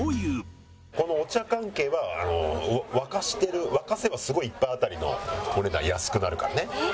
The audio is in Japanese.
このお茶関係は沸かしてる沸かせばすごい１杯当たりのお値段安くなるからね。